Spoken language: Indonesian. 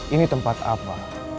ini tempat apa